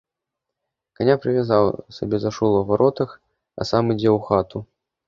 Каня прывязаў сабе за шула ў варотах, а сам ідзе ў хату.